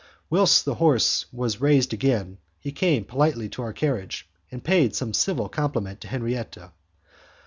Whilst the horse was raised again, he came politely to our carriage, and paid some civil compliment to Henriette.